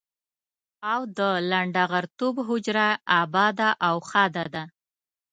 او د لنډه غرتوب حجره اباده او ښاده ده.